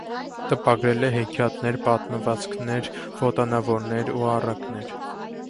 Տպագրել է հեքիաթներ, պատմվածքներ, ոտանավորներ ու առակներ։